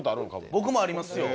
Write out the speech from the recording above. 僕もありますよ。